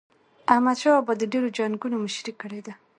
احمد شاه بابا د ډیرو جنګونو مشري کړې ده.